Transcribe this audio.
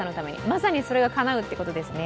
まさにそれがかなうということですね。